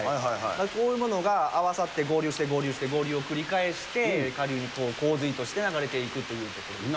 こういうものが合わさって合流して、合流して、合流を繰り返して、下流に洪水として流れていくということですね。